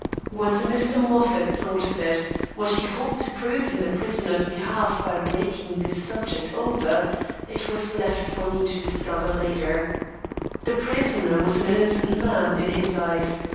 What Mr. Moffat thought of it what he hoped to prove in the prisoner's behalf by raking this subject over it was left for me to discover later. The prisoner was an innocent man, in his eyes.